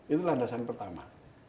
itu landasan pertama